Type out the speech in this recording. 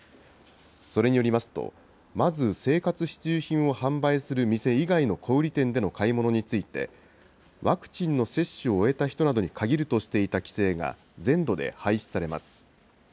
それによりますと、まず生活必需品を販売する店以外の小売り店での買い物について、ワクチンの接種を終えた人などに限るとしていた規制が全土で廃止されます。